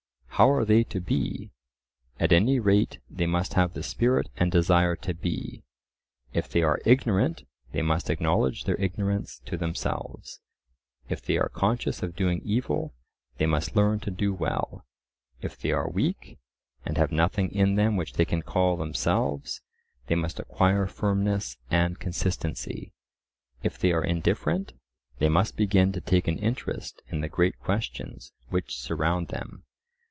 How are they to be? At any rate they must have the spirit and desire to be. If they are ignorant, they must acknowledge their ignorance to themselves; if they are conscious of doing evil, they must learn to do well; if they are weak, and have nothing in them which they can call themselves, they must acquire firmness and consistency; if they are indifferent, they must begin to take an interest in the great questions which surround them.